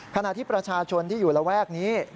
ขณะที่ประชาชนที่อยู่ระแวกนี้